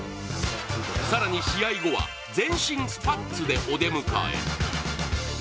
更に試合後は、全身スパッツでお出迎え。